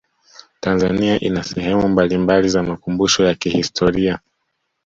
tanzania ina sehemu mbalimbali za makumbusho ya kihistoria